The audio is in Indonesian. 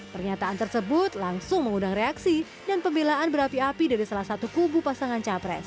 pernyataan tersebut langsung mengundang reaksi dan pembelaan berapi api dari salah satu kubu pasangan capres